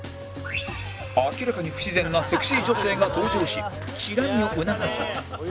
明らかに不自然なセクシー女性が登場しチラ見を促す